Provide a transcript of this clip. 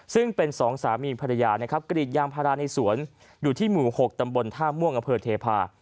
ซึ่งเป็นสองสามีภรรยานะครับกรีดยางพาราในสวนอยู่ที่หมู่๖ตำบลท่าม่วงอำเภอเทพา